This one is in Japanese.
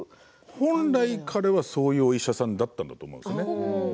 本来彼はそういうお医者さんだったと思うんですね。